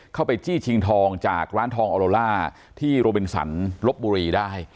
ไปจี้ชิงทองจากร้านทองออโลล่าที่โรบินสันลบบุรีได้